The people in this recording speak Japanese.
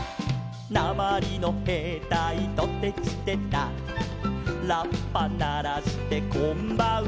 「なまりのへいたいトテチテタ」「ラッパならしてこんばんは」